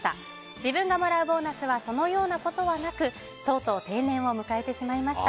自分がもらうボーナスはそのようなことはなくとうとう定年を迎えてしまいました。